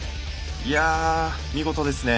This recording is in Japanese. いやあ見事ですね。